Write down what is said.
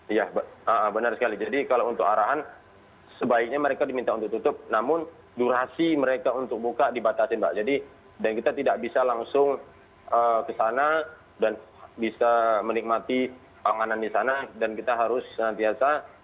iya benar sekali jadi kalau untuk arahan sebaiknya mereka diminta untuk tutup namun durasi mereka untuk buka dibatasin mbak jadi dan kita tidak bisa langsung ke sana dan bisa menikmati panganan di sana dan kita harus nantiasa